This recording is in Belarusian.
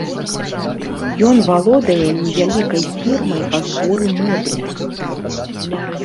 Ён валодае невялікай фірмай па зборы мэблі.